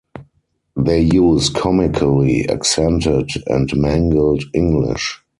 They use comically accented and mangled English.